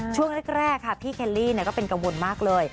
ช่วงแรกค่ะพี่เคลลี่ก็เป็นกังวลมากเลย